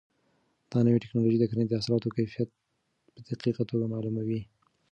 دا نوې ټیکنالوژي د کرنې د حاصلاتو کیفیت په دقیقه توګه معلوموي.